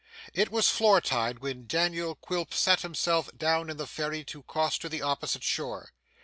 It was flood tide when Daniel Quilp sat himself down in the ferry to cross to the opposite shore.